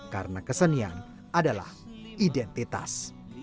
karena kesenian adalah identitas